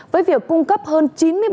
với việc cung cấp hơn chín mươi bảy ba